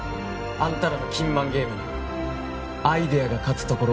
あんたらの金満ゲームにアイデアが勝つところを